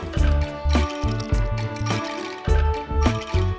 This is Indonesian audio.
kita ke terminal